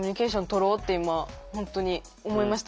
とろうって今本当に思いました。